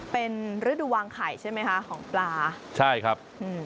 เป็นฤดูวางไข่ใช่ไหมคะของปลาใช่ครับอืม